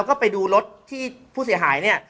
ก็ไปดูรถที่ผู้เสียหายเนี่ย